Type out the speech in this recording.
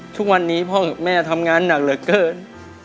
ทุกวันนี้พ่อกับแม่ทำงานหนักเหลือเกิน